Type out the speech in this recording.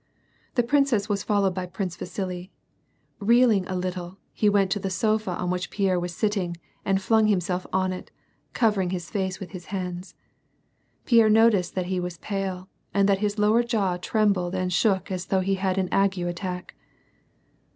The princess was followed by Prince Vasili. Reeling a httle he went to the sofa on which Pierre was sitting and flung himself on it, covering his face with his hands. Pierre noticed that he was pale, and that his lower jaw trembled and shook as though he had an ague attack.